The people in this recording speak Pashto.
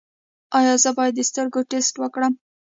ایا زه باید د سترګو ټسټ وکړم؟